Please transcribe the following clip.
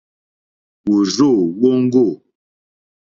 Wòrzô wóŋɡô.